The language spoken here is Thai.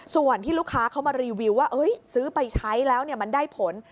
ส่วนที่ลูกค้าเขามารีวิวว่าซื้อไปใช้แล้วมันได้ผล